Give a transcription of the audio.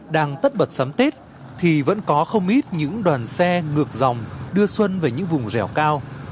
đang tất bật sắm tết thì vẫn có không ít những đoàn xe ngược dòng đưa xuân về những vùng rẻo cao